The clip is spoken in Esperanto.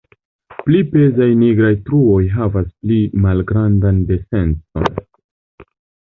Pli pezaj nigraj truoj havas pli malgrandan densecon.